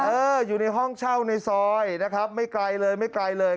เอออยู่ในห้องเช่าในซอยนะครับไม่ไกลเลยไม่ไกลเลย